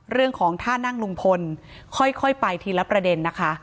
เรื่องของท่านั่งลุงพลค่อยไปทีละประเด็นนะคะ